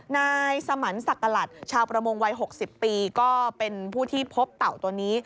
นายสมันสักกลัดชาวประมงวัย๖๐ปีก็เป็นผู้ที่พบเต่าตัวนี้